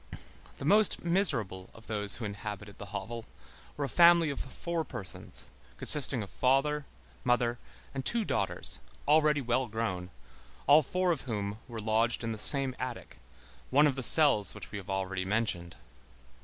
The most miserable of those who inhabited the hovel were a family of four persons, consisting of father, mother, and two daughters, already well grown, all four of whom were lodged in the same attic, one of the cells which we have already mentioned.